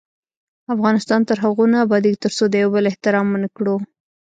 افغانستان تر هغو نه ابادیږي، ترڅو د یو بل احترام ونه کړو.